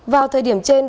vào thời điểm trên